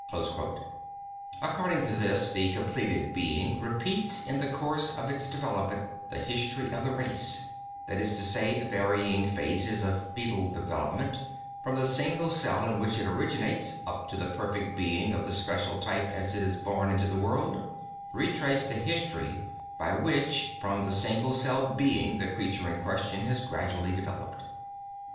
According to this, the completed being repeats in the course of its development the history of the race, that is to say, the varying phases of foetal development from the single cell in which it originates up to the perfect being of the special type as it is born into the world, retrace the history by which from the single cell being the creature in question has gradually developed.